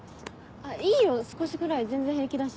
いいよ少しぐらい全然平気だし。